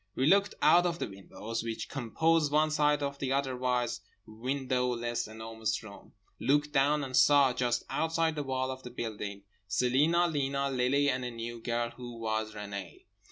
We looked out of the windows which composed one side of the otherwise windowless Enormous Room; looked down, and saw—just outside the wall of the building—Celina, Lena, Lily and a new girl who was Renée.